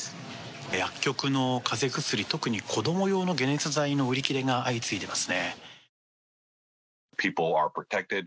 薬局の風邪薬特に子ども用の解熱剤の売り切れが相次いでいますね。